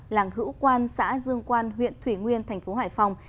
làng hữu quan xã dương quan huyện thủy nguyên thành phố hải phòng